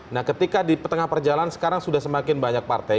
nah ketika di tengah perjalanan sekarang sudah semakin banyak partai